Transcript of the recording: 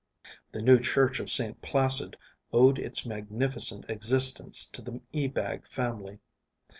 The new church of St Placid owed its magnificent existence to the Ebag family.